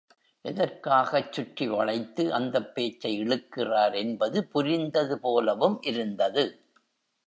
எதற்காகச் சுற்றி வளைத்து அந்தப் பேச்சை இழுக்கிறார் என்பது புரிந்தது போலவும் இருந்தது.